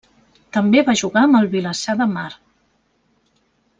També va jugar amb el Vilassar de Mar.